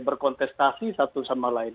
berkontestasi satu sama lain